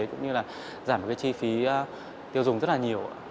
cũng như là giảm một cái chi phí tiêu dùng rất là nhiều